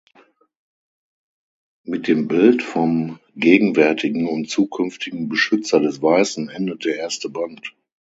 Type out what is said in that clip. Mit dem Bild vom gegenwärtigen und zukünftigen Beschützer des Weißen endet der erste Band.